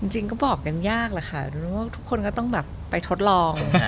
จริงก็บอกกันยากแหละค่ะว่าทุกคนก็ต้องแบบไปทดลอง